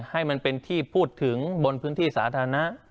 ให้มันเป็นที่พูดถึงบนพื้นที่สาธารณะ